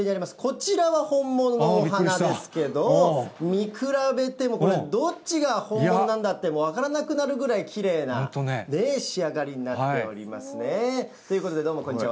こちらは本物のお花ですけど、見比べてもこれ、どっちが本物なんだって分からなくなるぐらい、きれいな仕上がりになっておりますね。ということで、どうも、こんにちは。